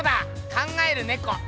「考えるねこ」。